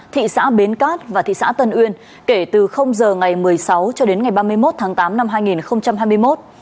thị xã bến cát và thị xã tân uyên kể từ giờ ngày một mươi sáu cho đến ngày ba mươi một tháng tám năm hai nghìn hai mươi một